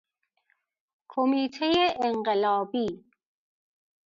کمیته انقلابی